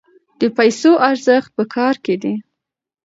د پیسو ارزښت په کار کې دی.